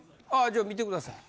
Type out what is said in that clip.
じゃあ見てください。